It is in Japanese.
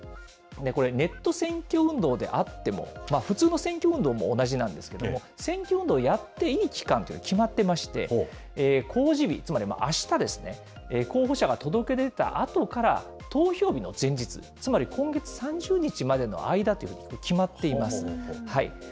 これ、ネット選挙運動であっても、普通の選挙運動も同じなんですけれども、選挙運動をやっていい期間というのが決まってまして、公示日、つまりあしたですね、候補者が届け出たあとから、投票日の前日、つまり今月３０日までの間というふうに決まっています。